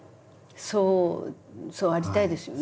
そうそうありたいですよね。